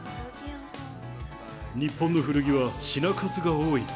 日本の古着は品数が多い。